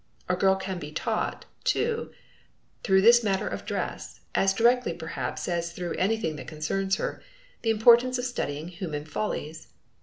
A girl can be taught, too, through this matter of dress, as directly perhaps as through anything that concerns her, the importance of studying human follies!